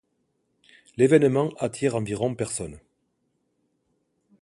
L’évènement attire environ personnes.